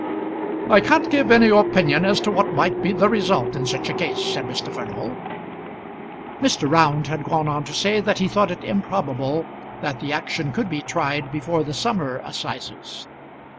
"I can't give any opinion as to what might be the result in such a case," said Mr. Furnival. Mr. Round had gone on to say that he thought it improbable that the action could be tried before the summer assizes.